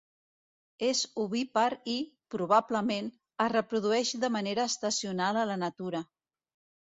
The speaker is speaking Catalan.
És ovípar i, probablement, es reprodueix de manera estacional a la natura.